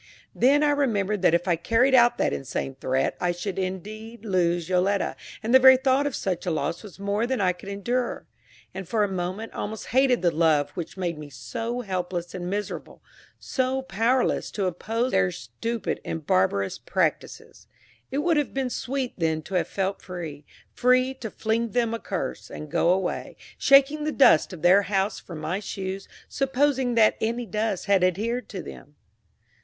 Then I remembered that if I carried out that insane threat I should indeed lose Yoletta, and the very thought of such a loss was more than I could endure; and for a moment I almost hated the love which made me so helpless and miserable so powerless to oppose their stupid and barbarous practices. It would have been sweet then to have felt free free to fling them a curse, and go away, shaking the dust of their house from my shoes, supposing that any dust had adhered to them.